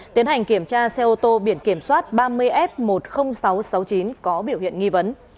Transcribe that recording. tiến hành kiểm tra xe ô tô biển kiểm soát ba mươi f một mươi nghìn sáu trăm sáu mươi chín có biểu hiện nghi vấn